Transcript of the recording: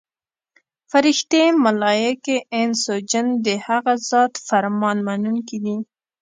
فرښتې، ملایکې، انس او جن د هغه ذات فرمان منونکي دي.